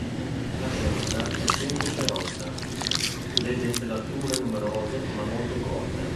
La cresta è semplice e rossa, le dentellature numerose ma molto corte.